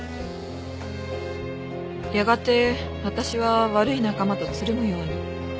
やがて私は悪い仲間とつるむように。